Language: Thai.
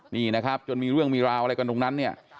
นี่นะครับจนมีเรื่องมีราวอะไรกันตรงนั้นเนี่ย